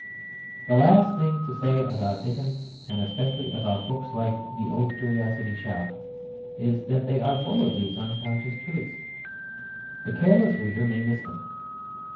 The last thing to say about Dickens, and especially about books like The Old Curiosity Shop, is that they are full of these unconscious truths. The careless reader may miss them.